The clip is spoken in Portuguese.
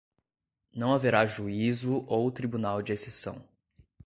não haverá juízo ou tribunal de exceção;